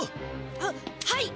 はっはい！